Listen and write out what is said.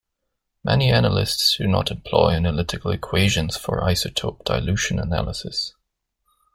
Many analysts do not employ analytical equations for isotope dilution analysis.